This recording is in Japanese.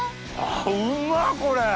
うまっこれ！